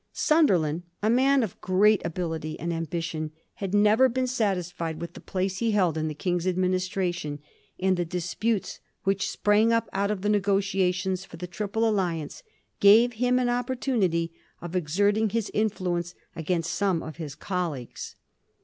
Simderland, a man of great ability and timbition, had never been satisfied with the place he held in the King's administration, and the disputes which sprang up out of the negotiations for the triple alliance gave him an opportunity of exerting his influence against some of his colleagues.